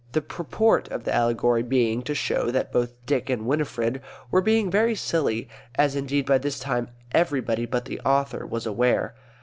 the purport of the allegory being to show that both Dick and Winifred were being very silly, as indeed by this time everybody but the author was aware.